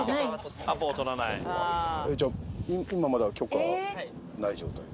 じゃ今まだ許可ない状態で。